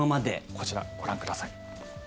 こちらご覧ください。